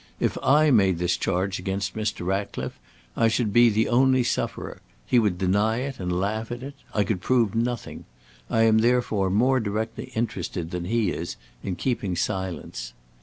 If I made this charge against Mr. Ratcliffe, I should be the only sufferer. He would deny and laugh at it. I could prove nothing. I am therefore more directly interested than he is in keeping silence.